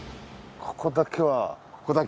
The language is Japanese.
ここだけは。